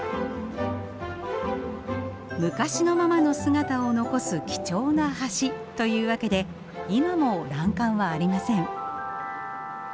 昔のままの姿を残す貴重な橋というわけで今も欄干はありません。